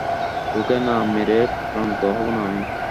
তোকে না মেরে ক্ষান্ত হবো না আমি।